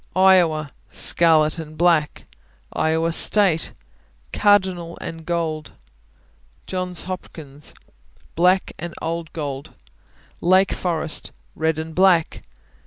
Iowa Scarlet and black. Iowa State Cardinal and gold. Johns Hopkins Black and old gold. Lake Forest Red and black.